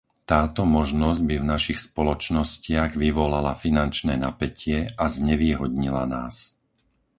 Táto možnosť by v našich spoločnostiach vyvolala finančné napätie a znevýhodnila nás.